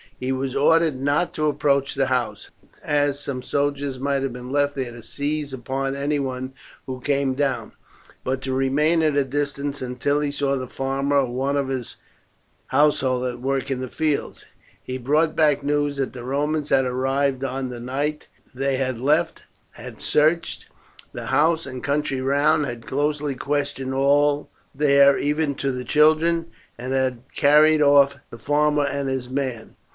He was ordered not to approach the house, as some soldiers might have been left there to seize upon any one who came down, but to remain at a distance until he saw the farmer or one of his household at work in the fields. He brought back news that the Romans had arrived on the night they had left, had searched the house and country round, had closely questioned all there, even to the children, and had carried off the farmer and his man.